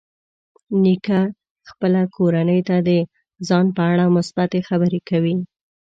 نیکه خپل کورنۍ ته د ځان په اړه مثبتې خبرې کوي.